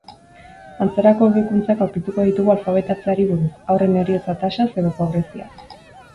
Antzerako hobekuntzak aurkituko ditugu alfabetatzeari buruz, haurren heriotza tasaz edo pobreziaz.